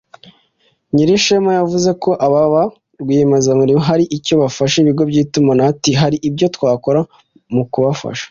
Nyirishema yavuze ko aba ba Rwiyemezamirimo hari icyo bafasha ibigo by’itumanaho ati “hari ibyo twakora mu kubafasha